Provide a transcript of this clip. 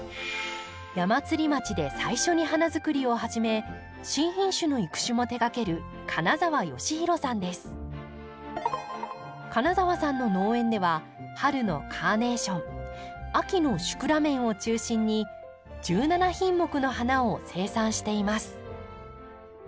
矢祭町で最初に花づくりを始め新品種の育種も手がける金澤さんの農園では春のカーネーション秋のシクラメンを中心に１７品目の花を生産しています。